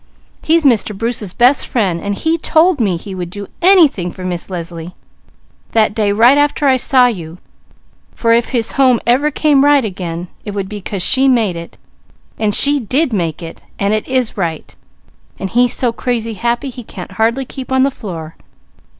"He's Mr. Bruce's best friend, and he told me he would do anything for Miss Leslie, that day right after I saw you, for if his home ever came right again, it would be 'cause she made it; and she did make it, and it is right, and he's so crazy happy he can't hardly keep on the floor.